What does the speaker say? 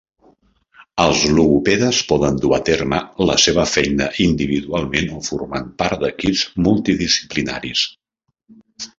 Els logopedes poden dur a terme la seva feina individualment o formant part d’equips multidisciplinaris.